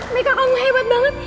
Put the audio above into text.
meka kamu hebat banget